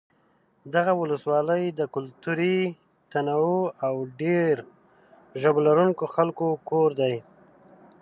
دغه ولسوالۍ د کلتوري تنوع او ډېر ژبو لرونکو خلکو کور دی.